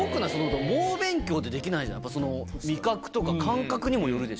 猛勉強ってできないじゃんやっぱ味覚とか感覚にもよるでしょ？